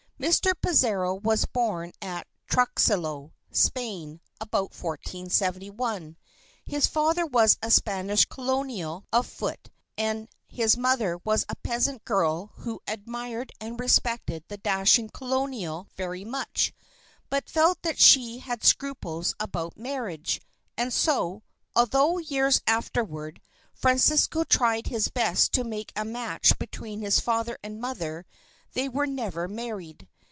Mr. Pizarro was born at Truxillo, Spain, about 1471. His father was a Spanish colonel of foot and his mother was a peasant girl who admired and respected the dashing colonel very much, but felt that she had scruples about marriage, and so, although years afterward Francisco tried his best to make a match between his father and mother, they were never married.